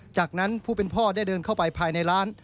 จากนั้นผู้เป็นพ่อได้เดินเข้าไปภายในร้าน